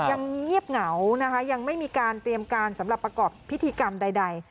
เงียบเหงานะคะยังไม่มีการเตรียมการสำหรับประกอบพิธีกรรมใด